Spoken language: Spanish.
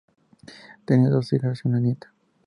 Tenía dos hijas y una nieta.